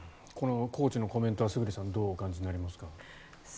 このコーチのコメントは村主さんどうお感じになりますか？